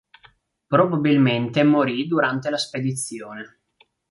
Probabilmente morì durante la spedizione.